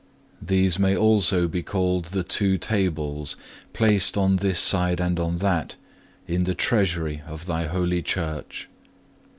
These may also be called the two tables, placed on this side and on that, in the treasury of Thy holy Church.